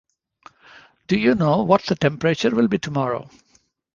Do you know what the temperature will be tomorrow?